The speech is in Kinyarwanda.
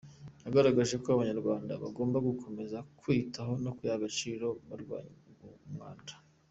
Yagaragaje ko Abanyarwanda bagomba gukomeza kwiyitaho mu kwiha agaciro barwanya umwanda .